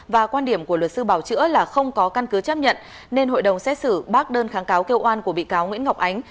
và quan điểm của luật sư bảo chữa là không có căn cứ chấp nhận nên hội đồng xét xử bác đơn kháng cáo kêu oan của bị cáo nguyễn ngọc ánh